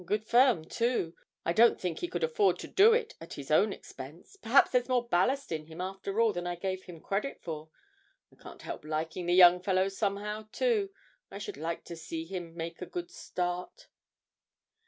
a good firm, too. I don't think he could afford to do it at his own expense. Perhaps there's more ballast in him after all than I gave him credit for. I can't help liking the young fellow somehow, too. I should like to see him make a good start.'